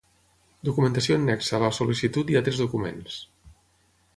Documentació annexa a la sol·licitud i altres documents.